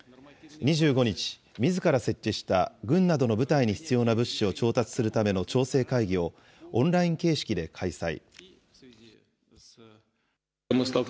２５日、みずから設置した軍などの部隊に必要な物資を調達するための調整会議をオンライン形式で開催。